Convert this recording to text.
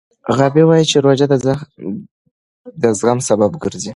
غابي وايي چې روژه د زغم سبب ګرځي.